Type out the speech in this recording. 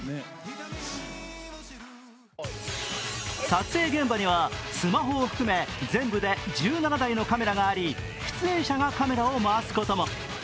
撮影現場にはスマホを含め全部で１７台のカメラがあり出演者がカメラを回すことも。